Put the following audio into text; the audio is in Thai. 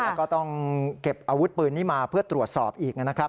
แล้วก็ต้องเก็บอาวุธปืนนี้มาเพื่อตรวจสอบอีกนะครับ